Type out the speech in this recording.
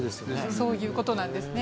そういう事なんですね。